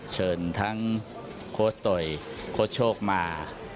เชิญทั้งโคชโตยโคชโชคมา